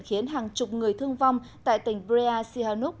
khiến hàng chục người thương vong tại tỉnh brea sihanuk